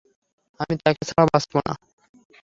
আমি তাকে ছাড়া বাঁচব না।